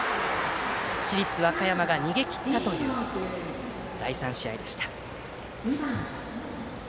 市立和歌山が逃げ切ったという第３試合でした。